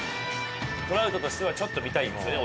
トラウトとしてはちょっと見たいんですよね